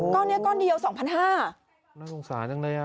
ก้อนนี้ก้อนเดียว๒๕๐๐น่าสงสารจังเลยอ่ะ